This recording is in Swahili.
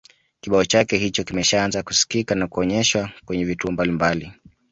kibao chake hicho kimeshaanza kusikika na kuonyeshwa kwenye vituo mbalimbali